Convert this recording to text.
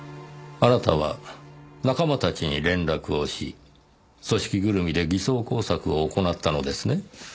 あなたは仲間たちに連絡をし組織ぐるみで偽装工作を行ったのですね？